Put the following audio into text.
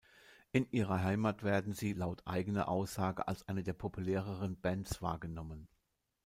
In ihrer Heimat werden sie, laut eigener Aussage, als „eine der populäreren Bands wahrgenommen.